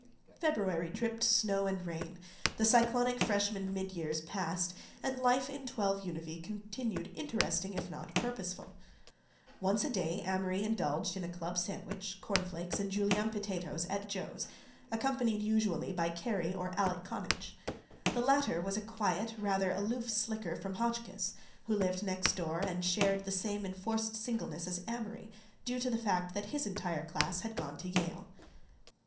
February dripped snow and rain, the cyclonic freshman mid years passed, and life in 12 Univee continued interesting if not purposeful. Once a day Amory indulged in a club sandwich, cornflakes, and Julienne potatoes at "Joe's," accompanied usually by Kerry or Alec Connage. The latter was a quiet, rather aloof slicker from Hotchkiss, who lived next door and shared the same enforced singleness as Amory, due to the fact that his entire class had gone to Yale.